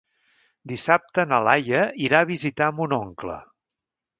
Dissabte na Laia irà a visitar mon oncle.